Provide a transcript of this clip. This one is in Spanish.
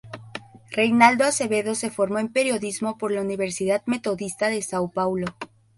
Reinaldo Azevedo se formó en periodismo por la Universidad Metodista de São Paulo.